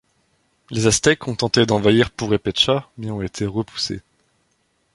Les Aztèques ont tenté d'envahir P'urhépecha mais ont été repoussés.